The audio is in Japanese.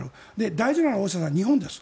大事なのは大下さん、日本です。